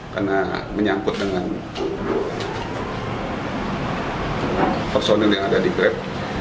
karena menyangkut dengan personil yang ada di grab